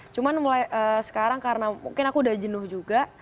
cuman mulai sekarang karena mungkin aku udah jenuh juga